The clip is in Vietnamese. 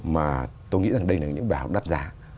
mà tôi nghĩ rằng đây là những bài học đắt giả